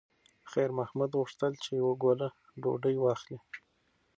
خیر محمد غوښتل چې یوه ګوله ډوډۍ واخلي.